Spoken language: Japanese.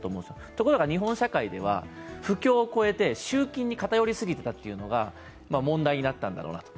ところが日本社会では布教を超えて集金に偏りすぎていたというのが問題になったんだろうなと。